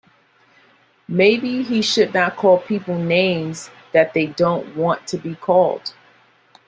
Maybe he should not call people names that they don't want to be called.